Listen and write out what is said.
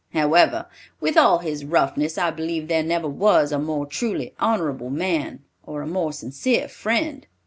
However, with all his roughness, I believe there never was a more truly honorable man, or a more sincere friend."